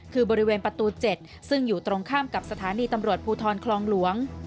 คือบริเวณประตู๗ซึ่งอยู่ตรงข้ามกับสถานีตำรวจภูทรคลองหลวง